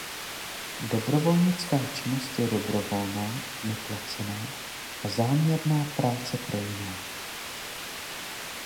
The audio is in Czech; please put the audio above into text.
Dobrovolnická činnost je dobrovolná, neplacená a záměrná práce pro jiné.